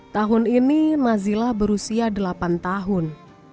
tahun ini nazila berusia delapan tahun